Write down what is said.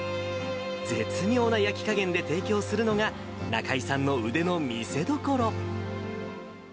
絶妙な焼き加減で提供するのが、仲居さんの腕の見せどころ。